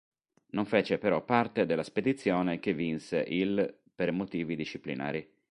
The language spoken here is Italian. Non fece però parte della spedizione che vinse il per motivi disciplinari.